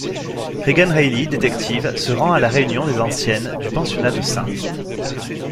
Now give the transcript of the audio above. Regan Reilly, détective, se rend à la réunion des anciennes du pensionnat de St.